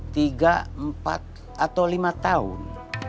tiga empat atau lima tahun